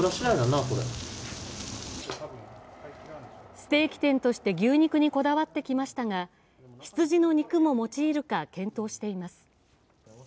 ステーキ店として牛肉にこだわってきましたが羊の肉も用いるか検討しています。